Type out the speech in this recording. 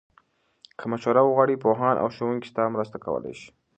که مشوره وغواړې، پوهان او ښوونکي ستا مرسته کولای شي.